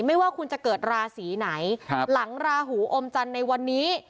ไม่ว่าคุณจะเกิดราศีไหนหลังราหูอมจันทร์ในวันนี้